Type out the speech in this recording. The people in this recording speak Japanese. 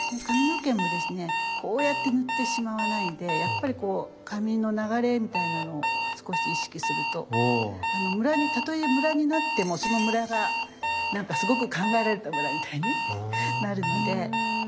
髪の毛もですねこうやって塗ってしまわないでやっぱりこう髪の流れみたいなのを少し意識するとたとえムラになってもそのムラが何かすごく考えられたムラみたいになるので。